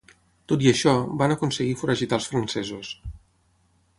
Tot i això, van aconseguir foragitar els francesos.